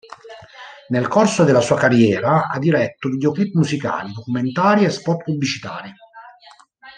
Nel corso della sua carriera, ha diretto videoclip musicali, documentari e spot pubblicitari.